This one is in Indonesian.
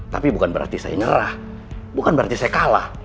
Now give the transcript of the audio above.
tapi bukan berarti saya nyerah bukan berarti saya kalah